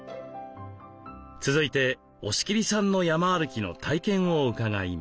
続いて押切さんの山歩きの体験を伺います。